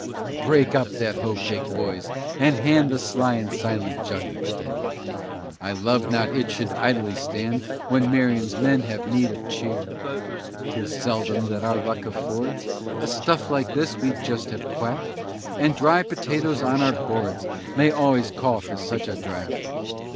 Break up that hoe cake, boys, and hand The sly and silent jug that's there; I love not it should idly stand When Marion's men have need of cheer. 'Tis seldom that our luck affords A stuff like this we just have quaffed, And dry potatoes on our boards May always call for such a draught.